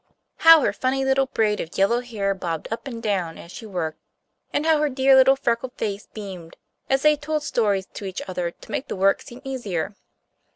How her funny little braid of yellow hair bobbed up and down as she worked, and how her dear little freckled face beamed, as they told stories to each other to make the work seem easier.